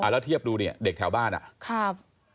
แล้วเทียบดูเนี่ยเด็กแถวบ้านอ่ะ